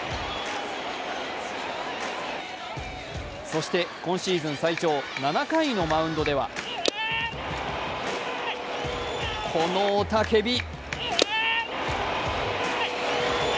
そして今シーズン最長７回のマウンドではこの雄たけび。